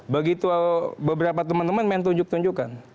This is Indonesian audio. begitu beberapa teman teman main tunjuk tunjukkan